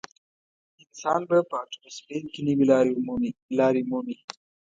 انسان به په اتموسفیر کې نوې لارې مومي.